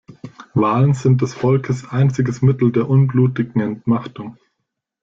Wahlen sind des Volkes einziges Mittel der unblutigen Entmachtung.